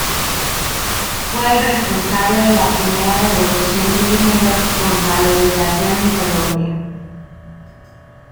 Fue el responsable de la primera devolución de dineros por valorización en Colombia.